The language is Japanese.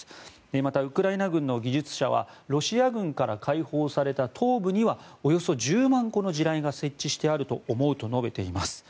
また、ウクライナ軍の技術者はロシア軍から解放された東部にはおよそ１０万個の地雷が設置してあると思うと述べています。